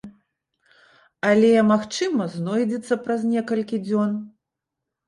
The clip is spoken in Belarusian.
Але, магчыма, знойдзецца праз некалькі дзён.